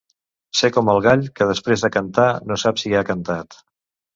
Ser com el gall, que després de cantar no sap si ha cantat.